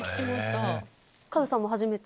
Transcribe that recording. カズさんも初めて？